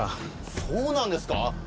そうなんですか？